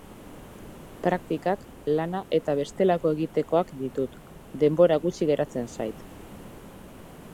Praktikak, lana eta bestelako egitekoak ditut, denbora gutxi geratzen zait.